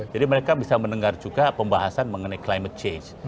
jadi mereka bisa mendengar juga pembahasan mengenai climate change